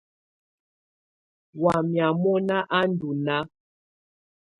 Wamɛ̀á mɔ̀na á ndù nàà.